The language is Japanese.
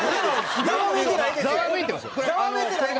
ざわめいてないです。